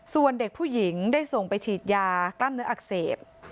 ส่วนเด็กผู้หญิงได้ส่งไปฉีดยากล้ามเนื้ออักเสบ